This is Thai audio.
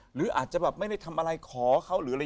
หรืออาจจะไม่ได้ทำอะไรขอเขา